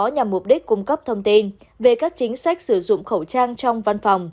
nhằm mục đích cung cấp thông tin về các chính sách sử dụng khẩu trang trong văn phòng